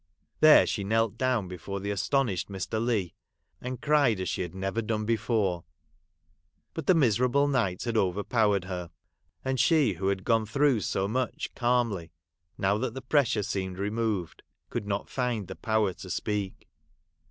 There she knelt down before the astonished Mrs. Leigh, and cried as she had never done before ; but the miserable night had overpowered her, and she who had gone through so much calmly, now that the pressure seemed removed could not find the power to speak.